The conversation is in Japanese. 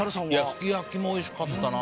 すき焼きもおいしかったな。